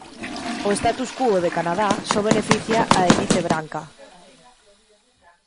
O status quo de Canadá só beneficia á elite branca.